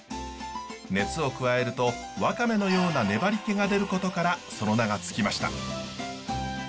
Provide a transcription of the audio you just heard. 熱を加えるとワカメのような粘りけが出ることからその名が付きました。